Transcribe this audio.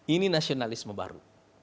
ini nasionalisme baru